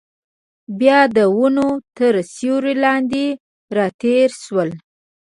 بیا د ونو تر سیوري لاندې راتېر شول.